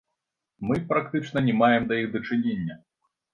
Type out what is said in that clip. Мы практычна не маем да іх дачынення.